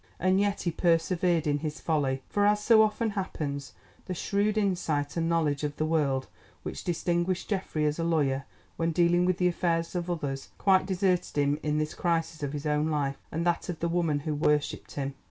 And yet he persevered in his folly. For, as so often happens, the shrewd insight and knowledge of the world which distinguished Geoffrey as a lawyer, when dealing with the affairs of others, quite deserted him in this crisis of his own life and that of the woman who worshipped him.